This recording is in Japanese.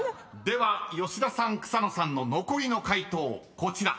［では吉田さん草野さんの残りの解答こちら］